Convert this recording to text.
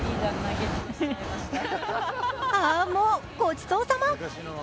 あーんもう、ごちそうさま。